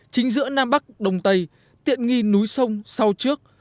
chính giữa nam bắc đông tây tiện nghi núi sông sao trước